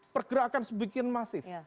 pergerakan sebegini masif